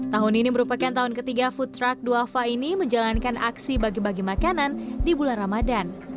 tahun ini merupakan tahun ketiga food truck duafa ini menjalankan aksi bagi bagi makanan di bulan ramadan